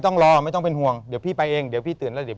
ต้องรอไม่ต้องเป็นห่วงเดี๋ยวพี่ไปเองเดี๋ยวพี่ตื่นแล้วเดี๋ยว